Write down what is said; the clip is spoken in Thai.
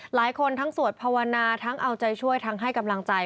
หลายคนทั้งสวดภาวนาทั้งเอาใจช่วยทั้งให้กำลังใจ